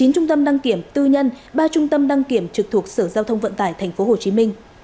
chín trung tâm đăng kiểm tư nhân ba trung tâm đăng kiểm trực thuộc sở giao thông vận tải tp hcm